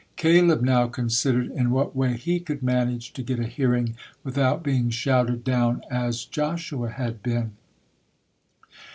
Caleb now considered in what way he could manage to get a hearing without being shouted down as Joshua had been.